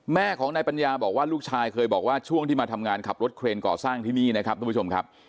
แม่ของนายปัญญาบอกว่าลูกชายเคยบอกว่าช่วงที่มาทำงานขับรถเครนก่อสร้างที่นี่นะครับทุกผู้ชมครับ